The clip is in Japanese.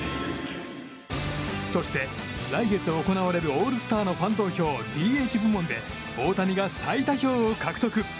そして、来月行われるオールスターのファン投票ＤＨ部門で大谷が最多票を獲得。